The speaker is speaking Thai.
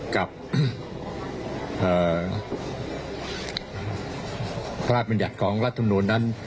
กับพระบัญญัติของรัฐทุนโนนั้น